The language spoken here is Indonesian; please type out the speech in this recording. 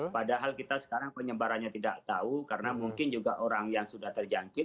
padahal kita sekarang penyebarannya tidak tahu karena mungkin juga orang yang sudah terjangkit